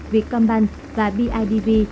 vietcombank và bidv